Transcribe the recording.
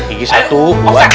gigi satu dua tiga